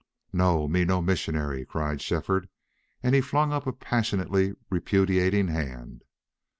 "No!... Me no missionary," cried Shefford, and he flung up a passionately repudiating hand.